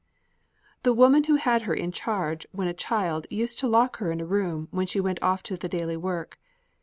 The woman who had her in charge when a child used to lock her in a room when she went off to the daily work.